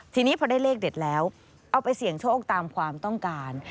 ทีนี้พอได้เลขเด็ดแล้วเอาไปเสี่ยงโชคตามความต้องการ